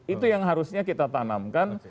itu yang harusnya kita tanamkan